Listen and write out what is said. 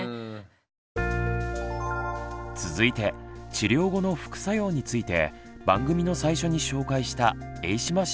続いて治療後の副作用について番組の最初に紹介した榮島四郎さんの例を紹介します。